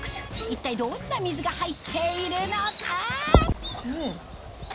一体どんな水が入っているのか？